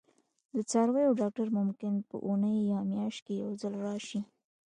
د څارویو ډاکټر ممکن په اونۍ یا میاشت کې یو ځل راشي